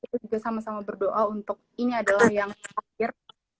kita juga sama sama berdoa untuk ini adalah yang terakhir